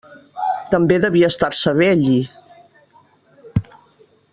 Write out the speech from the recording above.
També devia estar-se bé allí.